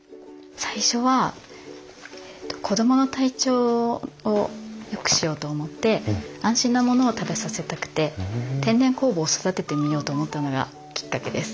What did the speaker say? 最初は子供の体調をよくしようと思って安心なものを食べさせたくて天然酵母を育ててみようと思ったのがきっかけです。